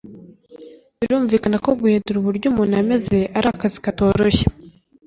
Birumvikana ko guhindura uburyo umuntu ameze ari akazi katoroshye